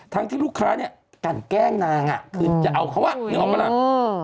ทั้งที่ลูกค้าการแกล้งนางคือจะเอาเขาน้องกำลัง